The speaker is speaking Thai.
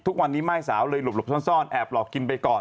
ทุกวันนี้ม่ายสาวเลยหลบซ่อนแอบหลอกกินไปก่อน